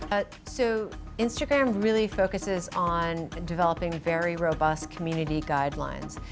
jadi instagram sangat berfokus pada mengembangkan pengaturan komunitas yang sangat berbahaya